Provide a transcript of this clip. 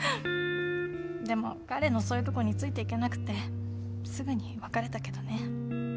でも彼のそういうとこについていけなくてすぐに別れたけどね。